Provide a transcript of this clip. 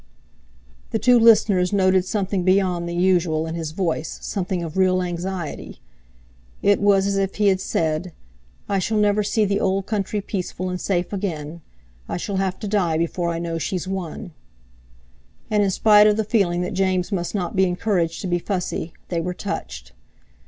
The two listeners noted something beyond the usual in his voice, something of real anxiety. It was as if he had said: "I shall never see the old country peaceful and safe again. I shall have to die before I know she's won." And in spite of the feeling that James must not be encouraged to be fussy, they were touched.